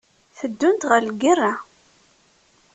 Teddunt ɣer lgirra.